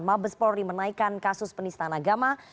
mabes polri menaikkan kasus penistaan agama